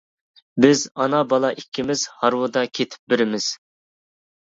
بىز ئانا-بالا ئىككىمىز ھارۋىدا كېتىپ بېرىمىز.